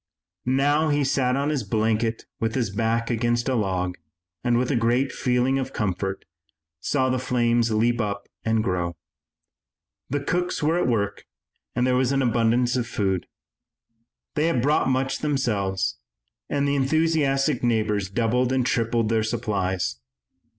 Now he sat on his blanket with his back against a log and, with a great feeling of comfort, saw the flames leap up and grow. The cooks were at work, and there was an abundance of food. They had brought much themselves, and the enthusiastic neighbors doubled and tripled their supplies.